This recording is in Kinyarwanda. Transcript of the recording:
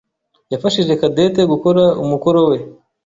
yafashije Cadette gukora umukoro we.